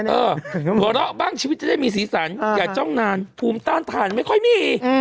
หัวเราะบ้างชีวิตจะได้มีสีสันอย่าจ้องนานภูมิต้านทานไม่ค่อยมี